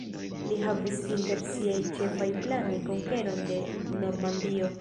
Li havis inter siaj ĉefaj planoj konkeron de Normandio.